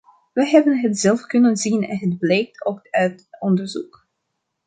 Wij hebben het zelf kunnen zien en het blijkt ook uit onderzoek.